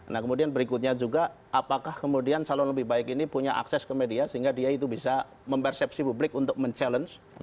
nah kemudian berikutnya juga apakah kemudian calon lebih baik ini punya akses ke media sehingga dia itu bisa mempersepsi publik untuk mencabar